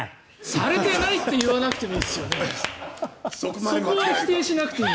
されてないって言わなくてもいいじゃない。